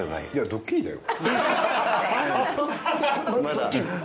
ドッキリだよ。